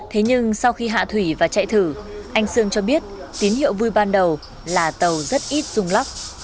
thế nhưng sau khi hạ thủy và chạy thử anh sương cho biết tín hiệu vui ban đầu là tàu rất ít rung lắc